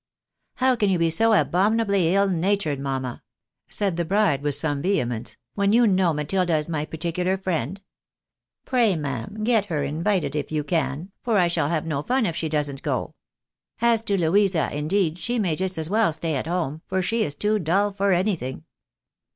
" How can you be so abominably ill natured, mamma ?" said the bride with some vehemence, " when you know Matilda is my particular friend ? Pray ma'am, get her invited if you can, for I shall have no fun if she doesn't go. As to Louisa, indeed, she may just as well stay at home, for she is too dull for anything."